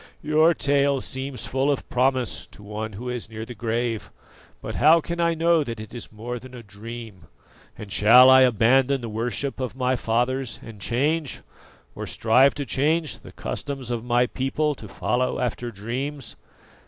"Your tale seems full of promise to one who is near the grave; but how can I know that it is more than a dream? And shall I abandon the worship of my fathers and change, or strive to change, the customs of my people to follow after dreams?